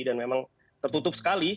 dan memang tertutup sekali